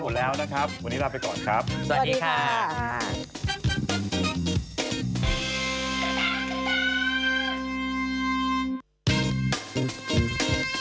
โปรดติดตามตอนต่อไป